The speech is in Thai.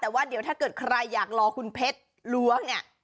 แต่ว่าเกิดใครอยากรอคุณเพชรล้วงเนี่ย